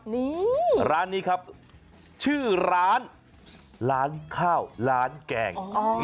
นี่ร้านนี้ครับชื่อร้านร้านข้าวร้านแกง